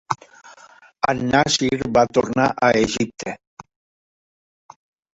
An-Nàssir va tornar a Egipte.